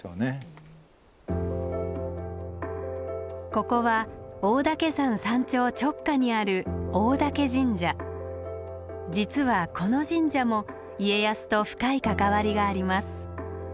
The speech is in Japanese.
ここは大岳山山頂直下にある実はこの神社も家康と深い関わりがあります。